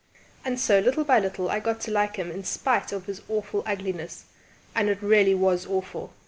And so, little by little, I got to like him in spite of his awful ugliness. And it really was awful!